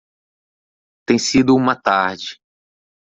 Tem sido uma tarde.